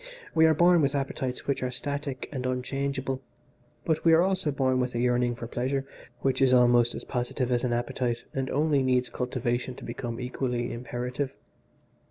We are born with appetites which are static and unchangeable, but we are also born with a yearning for pleasure which is almost as positive as an appetite and only needs cultivation to become equally imperative.